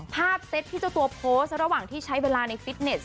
เซตที่เจ้าตัวโพสต์ระหว่างที่ใช้เวลาในฟิตเนส